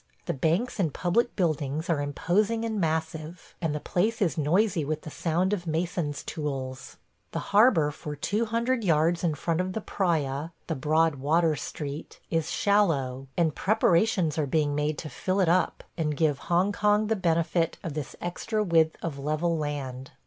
The banks and public buildings are imposing and massive, and the place is noisy with the sound of mason's tools. The harbor for 200 yards in front of the Praya (the broad water street) is shallow, and preparations are being made to fill it up and give Hong Kong the benefit of this extra width of level land.